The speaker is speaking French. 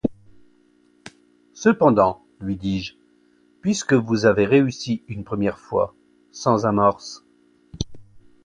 Cependant, lui dis-je, puisque vous avez réussi une première fois, sans amorce...